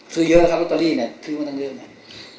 ซื้อเยอะนะครับลอตเตอรี่เนี่ยซื้อมาตั้งเรื่องนั้น